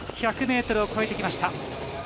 １００ｍを越えてきました。